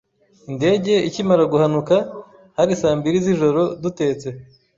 Indege ikimara guhanuka hari saa mbiri z’ijoro dutetse